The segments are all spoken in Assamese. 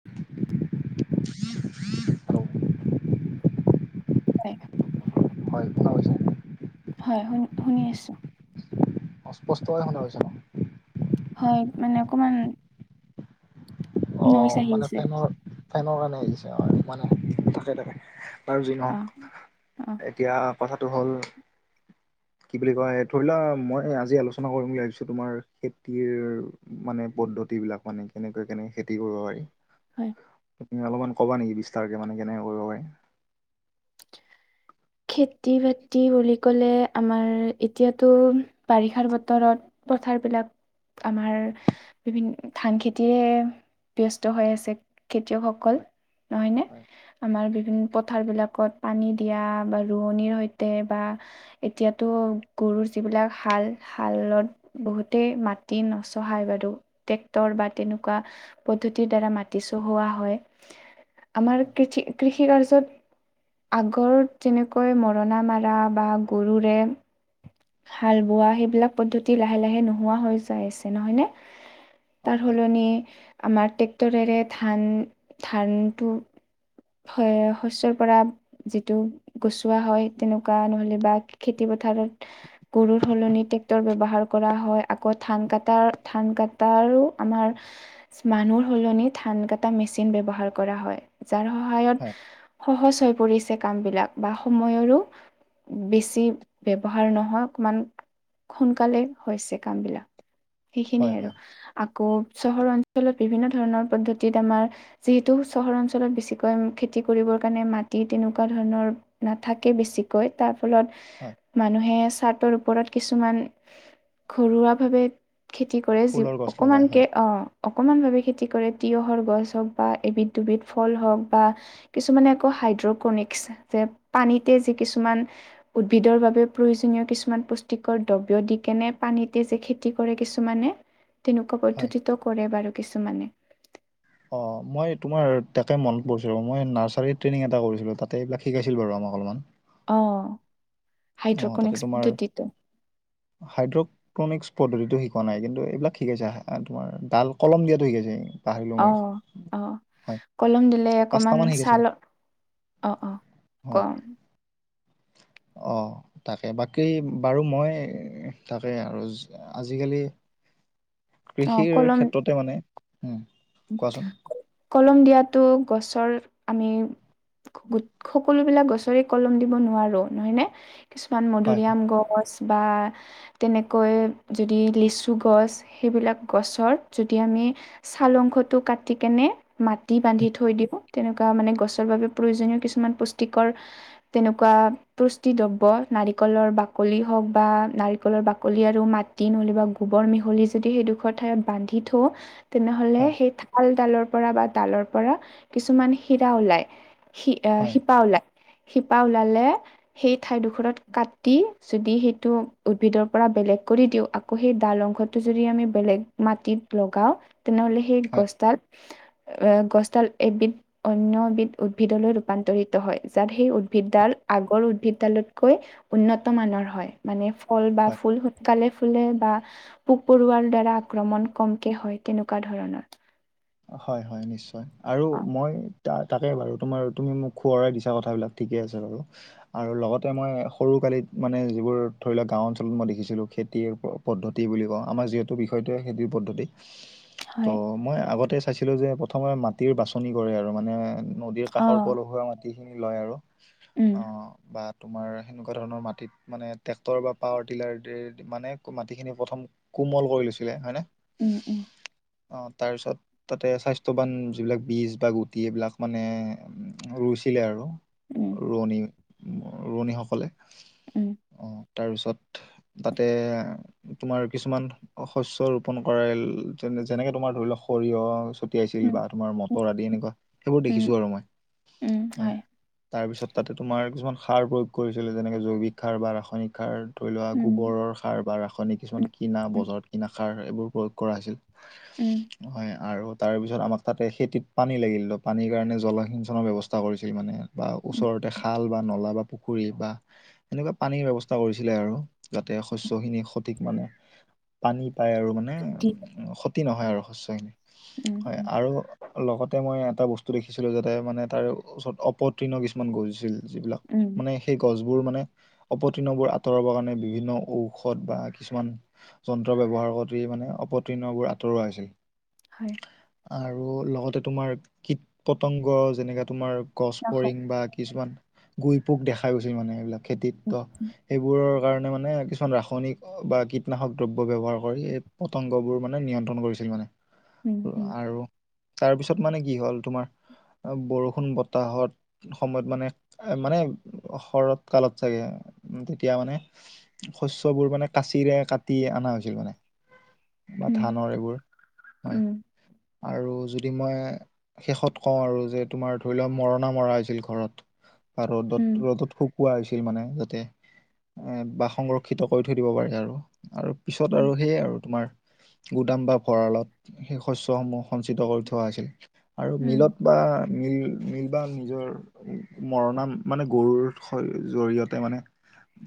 [inaudible] [unintelligible] [unintelligible] হয় শুনি শুনি আছোঁ। স্পষ্টকে শুনা পাইছোঁ। হয় মানে অকণমান। অ মানে আহিছে ফেনৰ ফেনৰ কাৰণে আহিছে অ মানে থাকে তাকে। বাৰু যি অ অ নহওঁক এতিয়া কথাটো হ'ল। কি বুলি কয় ধৰি লোৱা মই আজি আলোচনা কৰিম বুলি ভাবিছোঁ তোমাৰ খেতিৰ। মানে পদ্ধতি বিলাক মানে কেনেকৈ কেনেকে খেতি কৰিব পাৰি। হয়। তুমি অলপমান ক'বা নেকি বিস্তাৰ কে মানে কেনেকে কৰিব পাৰি। খেতি বাতি বুলি ক'লে আমাৰ এতিয়াতো বাৰিষাৰ বতৰত। পথাৰ বিলাক। আমাৰ বিভিন্ন ধান খেতিয়ে ব্যস্ত হৈ আছে। খেতিয়কসকল নহয় নে আমাৰ বিভিন্ন পথাৰ বিলাকত পানী দিয়া। বা ৰোৱনিৰ সৈতে বা এতিয়াতো গৰুৰ যিবিলাক শাল শালত। বহুতেই মাটি নচহাই বাৰু ট্ৰেক্টৰ বা তেনেকুৱা। পদ্ধতিৰ দ্বাৰা মাটি চহোৱা হয়। আমাৰ কৃষি কৃষি কাৰ্যত আগৰ। তেনেকৈ মৰণা মৰা বা গৰুৰে। হাল বোৱা সেইবিলাক পদ্ধতি লাহে লাহে নোহোৱা হৈ যাই আছে নহয় নে? হয় তাৰ হয় সলনি আমাৰ ট্ৰেক্টৰেৰে ধান ধানটো। ৰ শস্যয়ৰ পৰা যিটো। গুচোৱা হয় তেনেকুৱা নহ'লে বা খেতি পথাৰত। গৰুৰ সলনি ট্ৰেক্টৰ ব্যৱহাৰ কৰা হয়, আকৌ ধান কটাৰ ধান কটাৰো আমাৰ। মানুহ সলনি ধান কটা মেচিন ব্যৱহাৰ কৰা হয়। যাৰ হয় সহায়ত হয় সহজ হৈ পৰিছে কাম বিলাক। বা সময়ৰো বেছি ব্যৱহাৰ নহয় অকণমান। সোনকালে হৈছে কাম বিলাক হয় হয় সেইখিনিয়ে আৰু। হয় আকৌ চহৰ অঞ্চলত বিভিন্ন ধৰণৰ পদ্ধতিত আমাৰ। যিহেতু চহৰ অঞ্চলত বেছিকৈ খেতি কৰিবৰ কাৰণে মাটি তেনেকুৱা ধৰণৰ। নাথাকে বেছিকৈ তাৰ হয় ফলত মানুহে চাৰ্টৰ ওপৰত কিছুমান। ঘৰুৱা ভাৱে খেতি কৰে যি ফুলৰ গছ লগাই অকমানকে হয় অহ। অকমান ভাৱে খেতি কৰে তিঁয়ঁহৰ গছ হওঁক বা এবিধ দুবিধ ফল হওঁক বা। কিছুমানে আকৌ হাইড্ৰকনিক্স যে পানীতে যি কিছুমান। উদ্ভিদৰ বাবে প্ৰয়োজনীয় কিছুমান পুষ্টিকৰ দ্ৰব্য দি কেনে পানীতে যেখেত। কৰে কিছুমানে তেনেকুৱা হয়। পদ্ধতিত কৰে বাৰু কিছুমানে। অঁ মই তোমাৰ তাক মন পৰিছিলোঁ মই অ অ অ মই তোমাৰ তাকে মনত পৰিছে ৰবা মই নাৰ্চাৰীত ট্ৰেইনিং এটা কৰিছিলোঁ। তাতে এইবিলাক শিকাইছিল বাৰু আমাক। অলপমান। অ। অঁ তাতে হাইড্ৰকনিক্স তোমাৰ পদ্ধতিটো হাইড্ৰ'ক [unintelligible] পদ্ধতিতটো শিকোৱা নাই কিন্তু এইবিলাক শিকাইছে আহা তোমাৰ ডাল কলম দিয়াতো শিকাইছে। পাহৰিলো অ, মই অ হয় কলম দিলে অকমান পাঁচটামান শিকাইছিল চালত। অ অঁ হয় কম। অ। থাকে বাকী বাৰু মই তাৰে আৰু আজি-কালি অ কৃষিৰ কলম ক্ষেত্ৰতে মানে উম কোৱাচোন কলম দিয়াতো গছৰ আমি সকলো বিলাক গছৰে কলম দিব নোৱাৰো নহয় নে কিছুমান হয় হয় মধুৰিআম গছ বা তেনেকৈ যদি লিচু গছ সেইবিলাক গছৰ যদি আমি চাল অংশটো কাটিকেনে মাটি বান্ধি থৈ দিব তেনেকুৱা মানে গছৰ বাবে প্ৰয়োজনীয় কিছুমান পুষ্টিকৰ তেনেকুৱা পুষ্টি দ্ৰব্য নাৰিকলৰ বাকলি হওক বা নাৰিকলৰ বাকলি আৰু মাত তি নতুবা গোবৰ মিহলি যদি সেইডোখৰ ঠাইত বান্ধি থওঁ তেনেহলে হয় সেই থালডালৰ পৰা বা ডালৰ পৰা কিছুমান শিৰা ওলাই শি অ হয় শিপা ওলায় শিপা ওলালে সেই ঠাইডোখৰত কাটি যদি সেইটো উদ্ভিদৰ পৰা বেলেগ কৰি দিওঁ আকৌ সেই ডাল অংশটো যদি আমি বেলেগ মাটিত লগাও তেনেহলে সেই হয় গছ হয় ডাল এ গছডাল এবিধ অন্য এবিধ উদ্ভিদলৈ ৰূপান্তৰিত হয় যাত সেই উদ্ভিদডাল আগৰ উদ্ভিদডালতকৈ উন্নত মানৰ হয় মানে ফল বা ফুল সোনকালে ফুলে বা পোক পৰুৱাৰ দ্বাৰা আক্ৰমণ কমকে হয় তেনেকুৱা ধৰণৰ। হয়, হয় নিশ্চয় আৰু অ মই ত তাকে বাৰু তোমাৰ তুমি মোক সোঁৱৰাই দিছা কথাবিলাক ঠিকে আছে বাৰু। আৰু লগতে মই সৰু কালিত মানে যিবোৰ ধৰি লওক গাঁও অঞ্চলত মই দেখিছিলোঁ খেতি পদ্ধতি বুলি কওঁ আমাৰ যিহেতু বিষয়টোৱে খেতিৰ পদ্ধতি। হয় ত' মই আগতে চাইছিলো যে প্ৰথমে মাটিৰ বাচনি কৰে আৰু মানে নদীৰ অ কাষৰ পলসুৱা মাটিখিনি লয় আৰু উম অ বা তোমাৰ সেনেকুৱা ধৰণৰ মাটিত মানে ট্ৰেক্টৰ বা পাৱাৰ টিলাৰ ট্ৰেট মানে মাটিখিনি প্ৰথম কোমল কৰি লৈছিলে হয় নে উম উম অ তাৰপিছত তাতে স্বাস্থ্যৱান যিবিলাক বীজ বা গুটি এইবিলাক মানে ৰুইছিলে আৰু উম ৰোৱনী ৰোৱনীসকলে উম উম তাৰপিছত তাতে তোমাৰ কিছুমান শস্য ৰোপন কৰে যেনে যেনেকে তোমাৰ ধৰি লওক সৰিয়হ ছটিয়াইছিল উম বা তোমাৰ মটৰ আদি এনেকুৱা সেইবোৰ উম দেখিছো আৰু মই হয়। তাৰপিছত তাতে তোমাৰ কিছুমান সাৰ প্ৰয়োগ কৰিছিলে যেনেকে জৈৱিক সাৰ বা ৰাসায়নিক সাৰ ধৰি লোৱা উম গোবৰৰ সাৰ বা ৰাসায়নিক উম কিছুমান কিনা উম বজাৰত কিনা সাৰ এইবোৰ প্ৰয়োগ কৰা উম হৈছিল। হয় আৰু তাৰপিছত আমাক তাতে খেতিত পানী লাগিলতো পানীৰ কাৰণে জলসিঞ্চনৰ ব্যৱস্থা কৰিছিল মানে। বা উম ওচৰতে খাল বা নলা বা পুখুৰী বা এনেকুৱা পানীৰ ব্যৱস্থা কৰিছিলে আৰু যাতে শস্য খিনি সঠিক মানে পানী পায় আৰু মানে [unintelligible] উম, ক্ষতি নহয় আৰু শস্যখিনি উম হয় উম আৰু লগতে মই এটা বস্তু দেখিছিলো যাতে মানে তাৰ ওচৰত অপতীৰ্ণ কিছুমান গজিছিল যিবিলাক উম মানে সেই গছবোৰ মানে অপতীৰ্ণবোৰ আঁতৰাবৰ কাৰণে বিভিন্ন ঔষধ বা কিছুমান যন্ত্ৰ ব্যৱহাৰ কৰি মানে অপতীৰ্ণবোৰ আঁতৰোৱা হৈছিল। হয়। আৰু লগতে তোমাৰ কীট পতংগ যেনেকাে তোমাৰ- গছ ৰাখক ফৰিং বা কিছুমান গুই পোক দেখা গৈছিল মানে এইবিলাক। উম খেতিত্ব, সেইবোৰৰ কাৰণে মানে কিছুমান ৰাস- য়নিক বা কীটনাশক দ্ৰব্য ব্যৱহাৰ কৰি এই পতংগবোৰ মানে নিয়ন্ত্ৰণ কৰিছিল মানে। উম' উম'। আৰু তাৰপিছত মানে কি হ'ল তোমাৰ, বৰষুণ বতাহত- সময়ত মানে মানে শৰৎ কালত চাগে, তেতিয়া মানে- শস্যবোৰ মানে কাঁচিৰে কাটি আনা হৈছিল মানে। বা উম ধানৰ এইবোৰ হয়, উম আৰু যদি মই- শেষত কওঁ আৰু যে তোমাৰ ধৰি লোৱা মৰণা মৰা হৈছিল ঘৰত বা উম ৰ'দত ৰ'দত শুক- কোৱা হৈছিল মানে যাতে, এঁ বা সংৰক্ষিত কৰি থৈ দিব পাৰে আৰু আৰু- পিছত উম উম আৰু সেয়ে আৰু তোমাৰ গুদাম বা ভঁৰালত সেই শস্য- সমূহ সঞ্চিত কৰি থোৱা হৈছিল, আৰু উম মিলত বা মিল মিল বা নিজৰ- মৰণা মানে গৰুৰ জৰিয়তে মানে-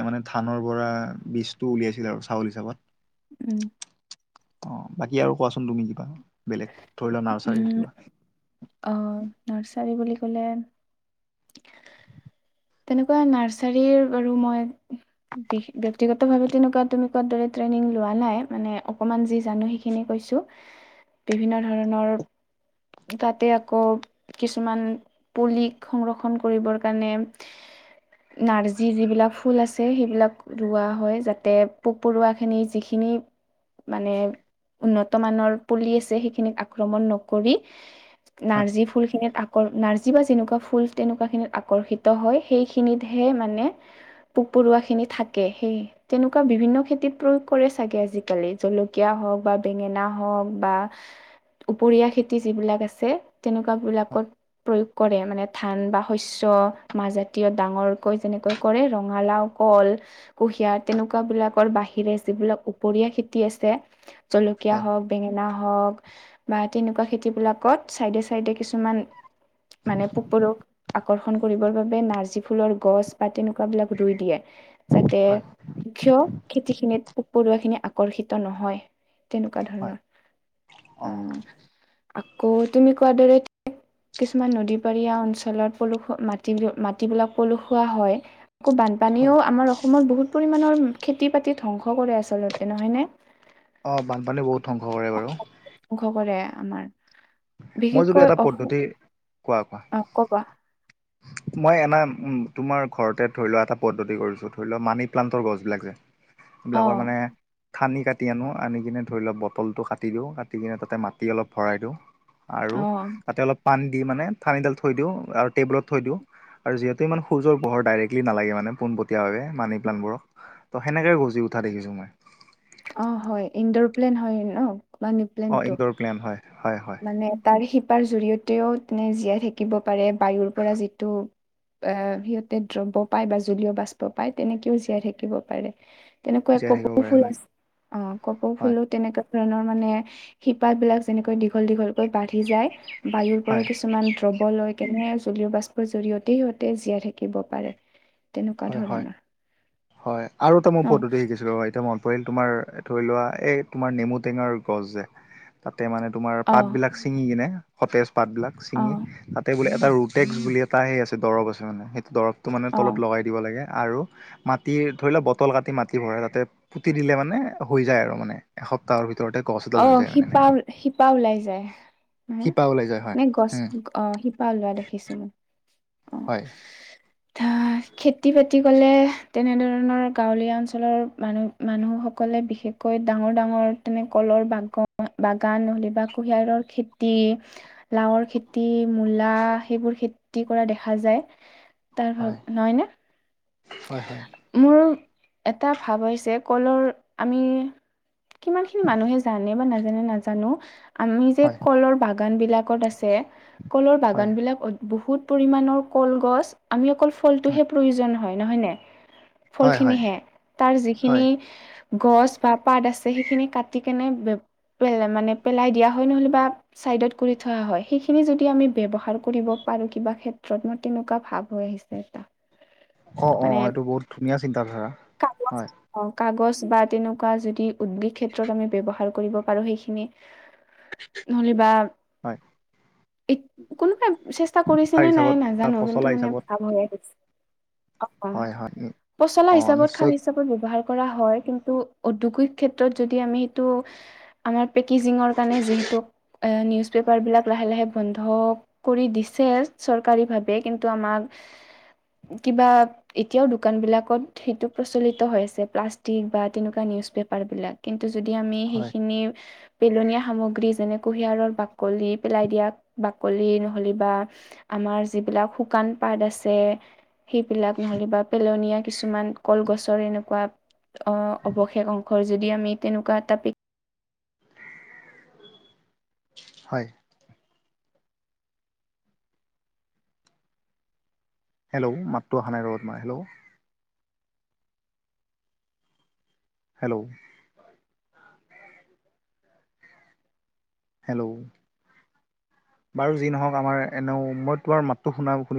এ মানে ধানৰ পৰা বীজটো উলিয়াইছিল আৰু চাউল হিচাপত। উম'। অঁ বাকি আৰু কোৱাচোন তুমি কিবা বেলেগ ধৰি লোৱা নাৰ্চাৰীৰ কিবা। অঁ নাৰ্চাৰী বুলি ক'লে- তেনেকুৱা নাৰ্চাৰীৰ বাৰু মই- ব্যক্তিগত ভাৱে তেনেকুৱা তেনেকুৱাৰ দৰে ট্ৰেইনিং লোৱা নাই, মানে অকমান যি জানো সেই- খিনি কৈছো, বিভিন্ন ধৰণৰ- তাতে আকৌ কিছুমান পুলিক সংৰক্ষণ কৰিবৰ কাৰণে- নাৰ্জী যিবিলাক ফুল আছে, সেইবিলাক- ৰোৱা হয় যাতে, পোক পৰুৱাখিনি যিখিনি- মানে উন্নত মানৰ পুলি আছে, সেইখিনিত আক্ৰমণ নকৰি- হয় নাৰ্জী ফুল খিনিত আকৰ নাৰ্জী বা যেনেকুৱা ফুল তেনেকুৱা খিনিত আকৰ্ষি- ত হয়, সেইখিনিতহে মানে পোক পৰুৱা খিনি থাকে, সেই- তেনেকুৱা বিভিন্ন খেতিত প্ৰয়োগ কৰে চাগে আজিকালি জলকীয়া হওক বা বেঙেনা হওক বা- ওপৰীয়া খেতি যিবিলাক আছে, হয় তেনেকুৱাবিলাকত- প্ৰয়োগ কৰে, মানে ধান বা শস্য- মাজাতীয় ডাঙৰকৈ যেনেকৈ কৰে ৰঙালাও, কল। কুঁহিয়া, তেনেকুৱা বিলাকৰ বাহিৰে যিবিলাক উপওৰীয়া খেতি আছে- জলকীয়া হয় হওঁক, বেঙেনা হওঁক- বা তেনেকুৱা খেতিবিলাকত চাইডে চাইডে কিছুমান মানে পোক পৰু- আকৰ্ষণ কৰিবৰ বাবে নাৰ্জী ফুলৰ গছ বা তেনেকুৱা বিলাক ৰুই দিয়ে, হয় যাতে- ক্ষয় খেতিখিনিত পোক পৰুৱাখিনি আকৰ্ষিত নহয়। তেনেকুৱা হয় ধৰণৰ, অঁ অঁ' আকৌ তুমি কোৱা কোৱাৰ দৰে- কিছুমান নদী পাৰীয়া অঞ্চলত পলখোৱা মাটিৰো- মাটিবিলাক পলখোৱা হয়। আকৌ হয় বানপানীও আমাৰ অস- অসমত বহুত পৰিমানৰ খেতি বাতি ধ্বংস কৰে আচলতে, নহয় নে? অঁ বানপানী বহুত ধ্বংস কৰে বাৰু। ধ্বংস কৰে আমাৰ। মই যদি এটা পদ্ধতি, কোৱা কোৱা। অঁ ক'ক বা [unintelligible] মই এনা উম তোমাৰ ঘৰতে ধৰি লোৱা এটা পদ্ধতি কৰিছো ধৰি লোৱা মানি প্লান্তৰ গছবিলাক যে। এই বিলাকৰ অ' মানে থানি কাটি আনো আনি কিনে ধৰি লওক বটলটো কাটি দিওঁ কাটি কিনে তাতে মাটি অলপ ভৰাই দিওঁ। আৰু অ' তাতে অলপ পানী দি মানে থানিডাল থৈ দিওঁ আৰু টেবুলত থৈ দিওঁ। আৰু যিহেতু ইমান সূৰ্যৰ পোহৰৰ ডৰেক্লি নালাগে মানে পোনপটীয়া ভাৱে মানি প্লানবোৰৰ। ত সেনেকে গজি উঠা দেখিছো মই। অ হয় ইন্দোৰ প্লেন হয় ন। মানি অ প্লেনটো ইন্দোৰ গ্লেন হয় হয় হয়। মানে তাৰ শিপাৰ জৰিয়তেও তেনে জীয়াই থাকিব পাৰে বায়ুৰ পৰা যিটো এ সিহঁতে দ্ৰব্য পায় বা জলীয় বাষ্প পায় তেনেকেও জীয়াই থাকিব পাৰে। তেনেকুৱা এক জীয়াই থাকিব কপৌ পাৰে ফুল হয় আছে। অ কপৌ হয় ফুলো তেনেকুৱা ধৰণৰ মানে শিপা বিলাক যেনেকৈ দীঘল দীঘল বাঢ়ি যায় বায়ুৰ পৰা হয় কিছুমান দ্ৰব লয় কেনে জলীয় বাস্পৰ জৰিয়তেই সিহঁতে জীয়াই থাকিব পাৰে। তেনেকুৱা ধৰণৰ। হয়ঁ! আৰু এটা মই অ পদ্ধতি শিকিছিলো ৰ এতিয়া মই পৰিল তোমাৰ ধৰি লোৱা এই তোমাৰ নেমু টেঙাৰ গছ যে। তাতে মানে তোমাৰ অ পাত বিলাক ছিঙি কিনে সতেজ পাত বিলাক অ ছিঙি তাতে বোলে এটা ৰুট টেক্স বুলি এটা সেই আছে দৰৱ আছে মানে সেইটো দৰৱটো মানে অ তলত লগাই দিব লাগে আৰু মাটি ধৰি লোৱা‌ বটল কাটি মাটি ভৰাই তাতে পুতি দিলে মানে হৈ যায় আৰু মানে। এসপ্তাহৰ ভিতৰতে মানে গছ অ এডাল হৈ যায় শিপা মানে। শিপা ওলাই যায় হা? শিপা ওলাই যায় হয় নে গছ হয়। অ শিপা ওলোৱা দেখিছো মই অ। হয়। খেতি বাতি ক'লে তেনেধৰণৰ গাঁৱলীয়া অঞ্চলৰ মানুহ মানুহসকলে বিশেষকৈ ডাঙৰ ডাঙৰ তেনেক কলৰ বাগ বাগান নহ'লে বা কুঁহিয়াৰৰ খেতি। লাওৰ খেতি মূলা সেইবোৰ খেতি কৰা দেখা যায়। তাৰ ভাগ হয় নহয় নে? হয় হয়। মোৰ এটা ভাৱ আহিছে কলৰ আমি। কিমান খিনি মানুহে জানে বা নাজানে নাজানো আমি যে হয় হয় কলৰ বাক বাগান বিলাকত আছে কলৰ বাগান হয় বিলাক বহুত পৰিণৰ কলগছ। আমি অকল ফলটোহে প্ৰয়োজন হয় নহয় নে। হয় হয় ফলখিনিহে তাৰ হয় যিখিনি গছ বা পাত আছে সেইখিনি কাটি কেনে পেল মানে পেলাই দিয়া হয় নহ'লে বা ছাইডত কৰি থোৱা হয় সেইখিনি যদি আমি ব্যৱহাৰ কৰিব পাৰোঁ কিবা ক্ষেত্ৰত মই তেনেকুৱা ভাব হৈ আহিছে এটা। অঁ অঁ মানে এইটো বহুত ধুনীয়া চিন্তাধাৰা কাগজ হয়। অ কাগজ বা তেনেকুৱা যদি উদ্যোগ ক্ষেত্ৰত আমি ব্যৱহাৰ কৰিব পাৰো সেইখিনি নহ'লে বা হয়। এ কোনোবাই চেষ্টা কাৰ কৰিছে নে হিচাপত নাই বা নাজানো পচলা কিন্তু মানে হিচাপত ভাল হৈ আহিছে। অহ, হয় হয় পচলা অঁ হিচাপত খাৰ নিশ্চয় হিচাপ কৈ ব্যৱহাৰ কৰা হয়, কিন্তু উদ্যোগিক ক্ষেত্ৰত যদি আমি সেইটো আমাৰ পেকেজিঙৰ কাৰণে যিহেতু এ নিউজ পেপাৰ বিলাক লাহে লাহে বন্ধ কৰি দিছে চৰকাৰী ভাবে, কিন্তু আমাক কিবা এতিয়াও দোকান বিলাকত সেইটো প্ৰচলিত হৈ আছে, প্লাষ্টিক বা তেনেকুৱা নিউজ পেপাৰ বিলাক। কিন্তু যদি আমি হয় সেইখিনি পেলনীয়া সামগ্ৰী যেনে কুঁহিয়াৰৰ বাকলি পেলাই দিয়া বাকলি নহ'লে বা আমাৰ যিবিলাক শুকান পাত আছে বিলাক নহ'লে বা পেলনীয়া কিছুমান কলগছৰ এনেকুৱা অ অৱশেষ অংশৰ যদি আমি তেনেকুৱা এটা পি হয়। হেল্ল'! মাতটো অহা নাই ৰ তোমাৰ হেল্ল'? হেল্ল'? হেল্ল'? বাৰু যি নহওক আমাৰ এনেও, মই তোমাৰ মাতো শুনা শুনি